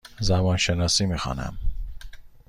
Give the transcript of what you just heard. زبان شناسی می خوانم.